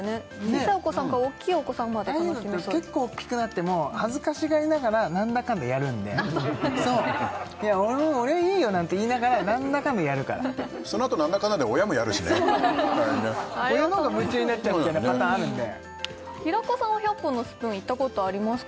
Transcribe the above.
小さいお子さんから大きいお子さんまで楽しめそうああいうのって結構大きくなっても恥ずかしがりながら何だかんだやるんでそう「俺はいいよ」なんて言いながら何だかんだやるからそのあと何だかんだで親もやるしね親の方が夢中になっちゃうみたいなパターンあるんで平子さんは１００本のスプーン行ったことありますか？